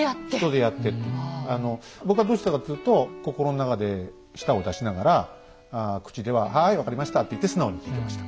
僕はどうしたかっつと心の中で舌を出しながら口では「はい分かりました」って言って素直に聞いてました。